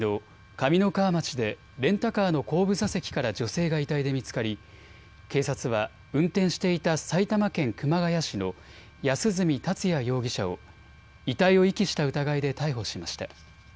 上三川町でレンタカーの後部座席から女性が遺体で見つかり、警察は運転していた埼玉県熊谷市の安栖達也容疑者を遺体を遺棄した疑いで逮捕しました。